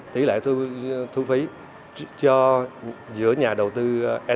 tỷ lệ thu phí cho giữa nhà đầu tư etc và bot